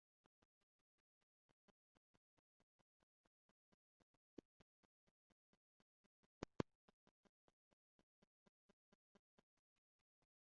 Mikelo estis sesdekjara viro, kiu jam dudek jarojn servis la doktoron.